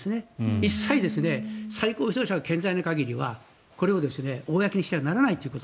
一切、最高指導者が健在な限りはこれを公にしてはならないということ。